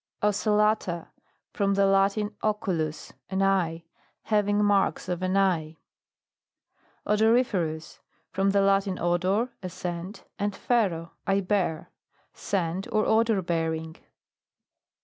OCELLATA. From the Latin, oculus, an eye. Having marks of an eye. ODORIFEROUS. From the Latin, odor, a scent, and /ero, I bear. Scent, or odour bearing.